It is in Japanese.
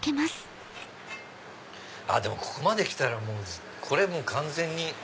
ここまできたらこれ完全に。